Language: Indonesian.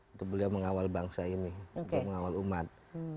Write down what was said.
untuk beliau mengawal bangsa ini untuk mengawal umat